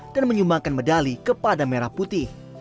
dan menyumbangkan medali kepada merah putih